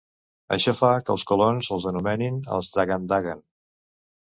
Això fa que els colons els anomenin els "Dagandagan".